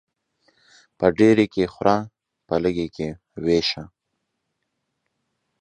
په ډيري کې خوره ، په لږي کې ويشه.